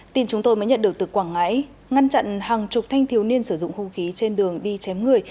tin chúng tôi mới nhận được từ quảng ngãi ngăn chặn hàng chục thanh thiếu niên sử dụng hung khí trên đường đi chém người